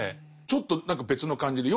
ちょっと何か別の感じで。